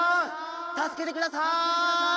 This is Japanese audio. たすけてください！